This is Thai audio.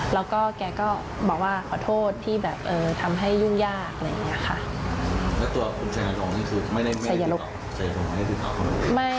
แล้วก็แกก็บอกว่าขอโทษที่แบบทำให้ยุ่งยากอะไรอย่างนี้ค่ะ